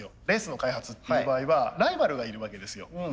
レースの開発っていう場合はライバルがいるわけですよ。